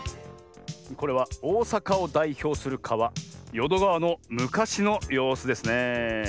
これはおおさかをだいひょうするかわよどがわのむかしのようすですねえ。